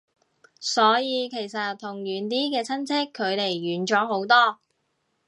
所以其實同遠啲嘅親戚距離遠咗好多